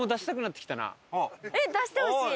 出してほしい！